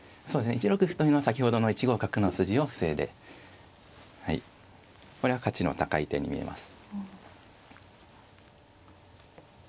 １六歩というのは先ほどの１五角の筋を防いではいこれは価値の高い手に見えます。